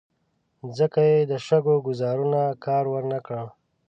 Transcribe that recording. ځکه یې د شګو ګوزارونو کار ور نه کړ.